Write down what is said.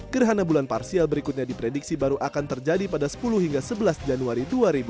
gerhana bulan parsial berikutnya diprediksi baru akan terjadi pada sepuluh hingga sebelas januari dua ribu dua puluh